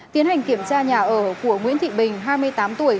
tiến hành kiểm tra nhà ở của nguyễn thị bình hai mươi tám tuổi